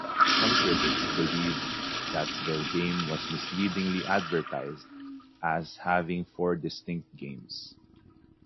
Some critics believed that the game was misleadingly advertised as having four distinct games.